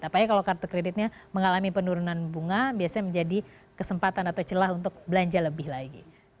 apalagi kalau kartu kreditnya mengalami penurunan bunga biasanya menjadi kesempatan atau celah untuk belanja lebih lagi